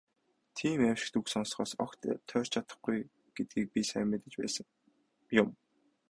Тийм «аймшигт» үг сонсохоос огт тойрч чадахгүй гэдгийг би сайн мэдэж байсан юм.